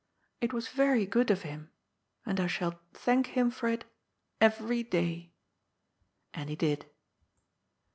" It was very good of Him. And I shall thank Him for it every day." And he did.